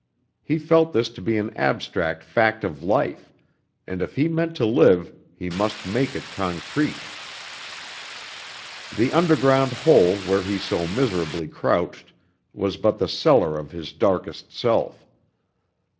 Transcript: He felt this to be an abstract fact of life; and if he meant to live he must make it concrete. The underground hole where he so miserably crouched was but the cellar of his darkest self.